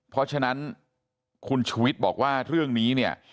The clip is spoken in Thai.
เพราะฉะนั้นคุณชูวิทย์บอกว่าเรื่องนี้เนี่ย